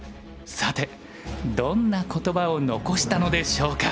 さてどんな言葉を残したのでしょうか？